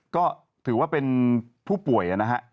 ก็ถือว่าเป็นผู้ป่วย